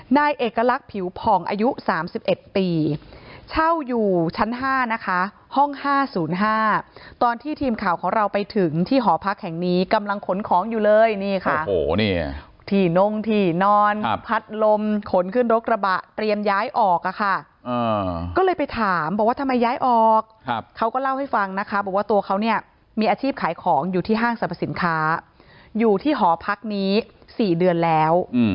นายเอกลักษณ์ผิวผ่องอายุ๓๑ปีเช่าอยู่ชั้น๕นะคะห้อง๕๐๕ตอนที่ทีมข่าวของเราไปถึงที่หอพักแห่งนี้กำลังขนของอยู่เลยนี่ค่ะที่นงที่นอนพัดลมขนขึ้นรถกระบะเตรียมย้ายออกอะค่ะก็เลยไปถามบอกว่าทำไมย้ายออกเขาก็เล่าให้ฟังนะคะบอกว่าตัวเขาเนี่ยมีอาชีพขายของอยู่ที่ห้างสรรพสินค้าอยู่ที่หอพักนี้๔เดือนแล้ว